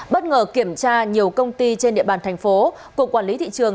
bất ngờ kiểm tra nhiều công ty trên địa bàn thành phố cục quản lý thị trường